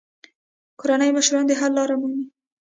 کورني مشران د حل لارې مومي.